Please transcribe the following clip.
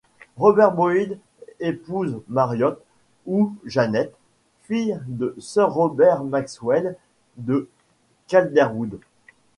Robert Boyd épouse Mariot ou Janet, fille de Sir Robert Maxwell de Calderwood.